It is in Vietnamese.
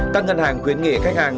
các ngân hàng quyết nghị khách hàng